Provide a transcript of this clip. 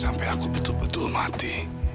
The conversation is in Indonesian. sampai aku betul betul mati